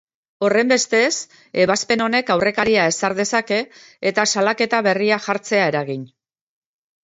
Horrenbestez, ebazpen honek aurrekaria ezar dezake eta salaketa berriak jartzea eragin.